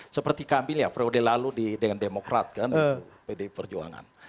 seperti kami lihat pre odi lalu dengan demokrat kan pd perjuangan